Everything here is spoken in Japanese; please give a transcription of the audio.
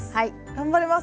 頑張ります！